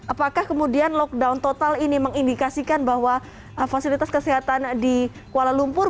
apakah kemudian lockdown total ini mengindikasikan bahwa fasilitas kesehatan di kuala lumpur